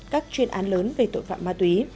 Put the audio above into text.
các chuyên án lớn về tội phạm ma túy